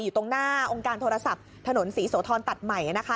อยู่ตรงหน้าองค์การโทรศัพท์ถนนศรีโสธรตัดใหม่นะคะ